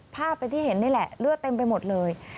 ภาพเป็นที่เห็นนี่แหละเลือดเต็มไปหมดเลย